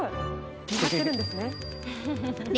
見張ってるんですね